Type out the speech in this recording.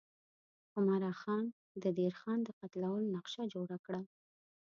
عمرا خان د دیر خان د قتلولو نقشه جوړه کړه.